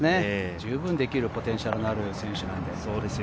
十分できるポテンシャルのある選手なんで。